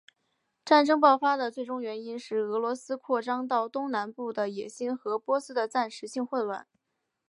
战争爆发的最终原因是俄罗斯扩张到东南部的野心和波斯的暂时性混乱。